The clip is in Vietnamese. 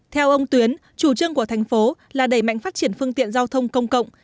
theo ông tuyến chủ trương của thành phố là đẩy mạnh phát triển phương tiện giao thông công cộng